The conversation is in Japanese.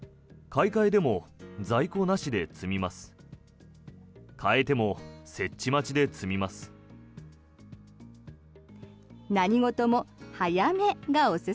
買い替えでも在庫なしで詰みます。